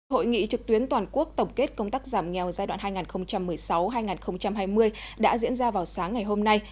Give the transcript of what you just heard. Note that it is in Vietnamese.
hội nghị trực tuyến toàn quốc tổng kết công tác giảm nghèo giai đoạn hai nghìn một mươi sáu hai nghìn hai mươi đã diễn ra vào sáng ngày hôm nay